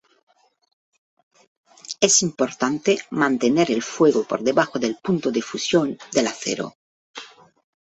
Es importante mantener el fuego por debajo del punto de fusión del acero.